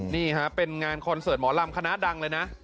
นี่ฮะเป็นงานคอนเสิร์ตหมอลำคณะดังเลยนะ